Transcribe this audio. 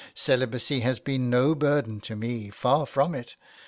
Celibacy has been no burden to me — far from it.